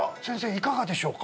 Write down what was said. いかがでしょうか？